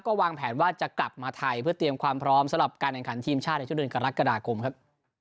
ก็วางแผนว่าจะกลับมาไทยเพื่อเตรียมความพร้อมสำหรับการแข่งขันทีมชาติในช่วงเดือนกรกฎาคมครับ